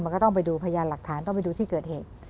มันก็ต้องไปดูพยานหลักฐานต้องไปดูที่เกิดเหตุ